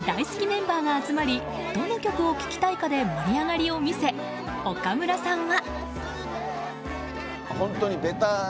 サザン大好きメンバーが集まりどの曲を聴きたいかで盛り上がりを見せ岡村さんは。